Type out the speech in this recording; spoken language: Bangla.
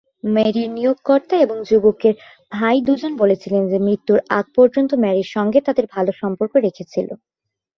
মেরির নিয়োগকর্তা এবং যুবকের ভাই দুজনেই বলেছিলেন যে, মৃত্যুর আগে পর্যন্ত মেরির সঙ্গে তাঁদের ভাল সম্পর্ক রেখেছিল।